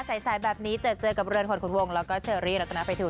ใสแบบนี้เจอเจอกับเรือนคนขุนวงแล้วก็เชอรี่แล้วก็น้ำไฟทูน